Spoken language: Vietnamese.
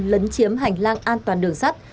lấn chiếm hành lang an toàn đường sắt